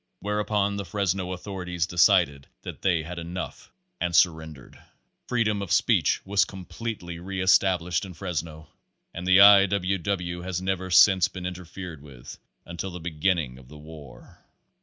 Whereupon the Fresno authorities decided that they had enough, and surrendered. Freedom of speech was completely re established in Fresno, and the I. W. W. has never since been interfered with, until the be ginning of the war.